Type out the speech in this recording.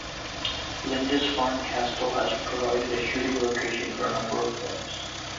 Lindisfarne Castle has provided a shooting location for a number of films.